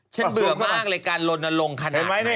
ฉันเบื่อมากเลยการลดลงขนาดไหน